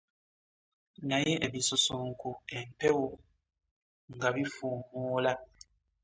Naye ebisusunku, empewo nga bifuumuula!